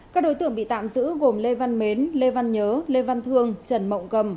các đối tượng bị tạm giữ gồm lê văn mến lê văn nhớ lê văn thương trần mộng gầm